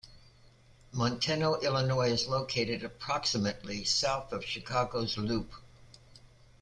Manteno, Illinois is located approximately south of Chicago's loop.